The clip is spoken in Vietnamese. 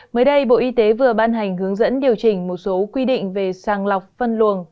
mới đây bộ y tế vừa ban hành hướng dẫn điều chỉnh một số quy định về sàng lọc phân luồng